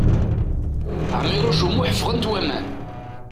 Ɛmiṛuc U Muḥ ffɣent waman.